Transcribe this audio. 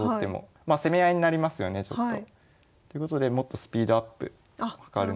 まあ攻め合いになりますよねちょっと。ってことでもっとスピードアップ図るんですけど。